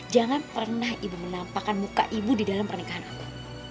jangan pernah ibu menampakkan muka ibu di dalam pernikahan aku